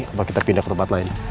apa kita pindah ke tempat lain